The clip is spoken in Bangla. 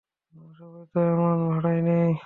সবাই তো এমন, ভাড়াই নেয়।